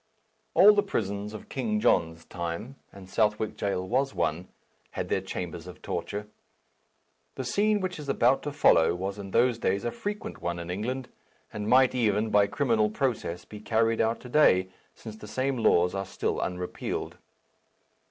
All the prisons of King John's time (and Southwark Jail was one) had their chambers of torture. The scene which is about to follow was in those days a frequent one in England, and might even, by criminal process, be carried out to day, since the same laws are still unrepealed.